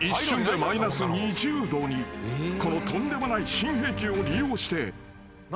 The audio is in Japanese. ［このとんでもない新兵器を利用して］